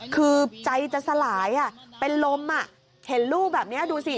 คือใจจะสลายเป็นลมเห็นลูกแบบนี้ดูสิ